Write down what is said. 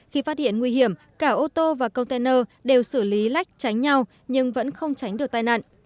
khi phát hiện nguy hiểm cả ô tô và container đều xử lý lách tránh nhau nhưng vẫn không tránh được tai nạn